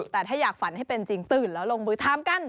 แต่ถ้าอยากฝันให้เป็นจริงตื่นแล้วลงมือทำกัน